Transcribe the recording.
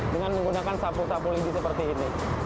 dengan menggunakan sapu sapu lidi seperti ini